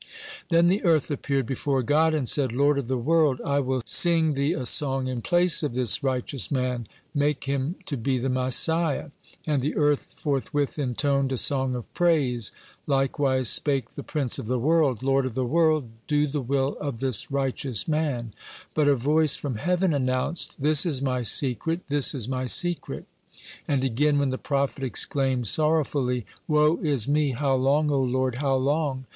Then the earth appeared before God, and said: "Lord of the world! I will song Thee a song in place of this righteous man; make him to be the Messiah," and the earth forthwith intoned a song of praise. Likewise spake the Prince of the World: (69) "Lord of the world! Do the will of this righteous man." But a voice from heaven announced: "This is my secret, this is my secret." And again, when the prophet exclaimed sorrowfully, "Woe is me! How long, O Lord, how long!"